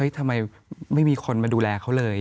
ทำไมไม่มีคนมาดูแลเขาเลย